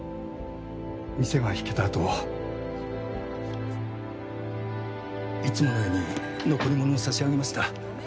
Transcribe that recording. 店が引けたあといつものように残り物を差し上げました。